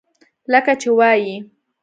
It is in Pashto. لکه چې وائي ۔